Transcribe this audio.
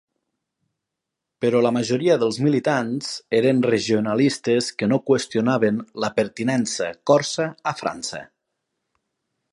Però la majoria dels militants eren regionalistes que no qüestionaven la pertinença corsa a França.